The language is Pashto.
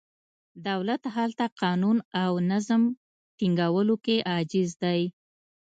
دولت هلته قانون او نظم ټینګولو کې عاجز دی.